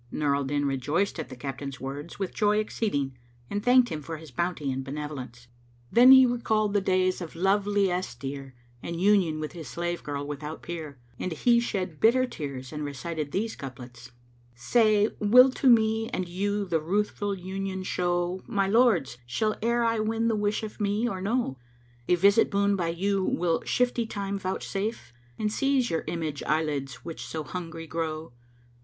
Nur al Din rejoiced at the captain's words with joy exceeding and thanked him for his bounty and benevolence. Then he recalled the days of love liesse dear and union with his slave girl without peer, and he shed bitter tears and recited these couplets, "Say, will to me and you the Ruthful union show * My lords! Shall e'er I win the wish of me or no? A visit boon by you will shifty Time vouchsafe? * And seize your image eye lids which so hungry grow?